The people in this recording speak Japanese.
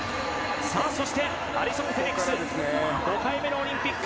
そしてアリソン・フェリックス５回目のオリンピック。